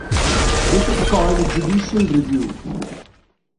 This is called judicial review.